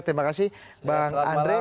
terima kasih bang andre